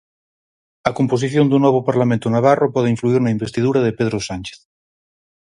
A composición do novo Parlamento navarro pode influír na investidura de Pedro Sánchez.